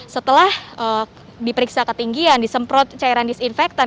setelah diperiksa ketinggian disemprot cairan disinfektan